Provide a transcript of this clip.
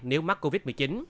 nếu mắc covid một mươi chín